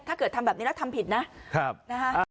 ถ้าเกิดทำแบบนี้แล้วทำผิดนะนะฮะ